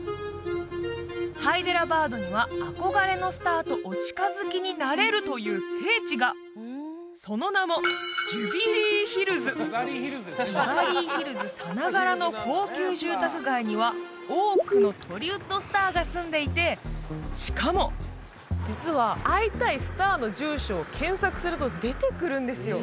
ハイデラバードには憧れのスターとお近づきになれるという聖地がその名もビバリーヒルズさながらの高級住宅街には多くのトリウッドスターが住んでいてしかも実は会いたいスターの住所を検索すると出てくるんですよ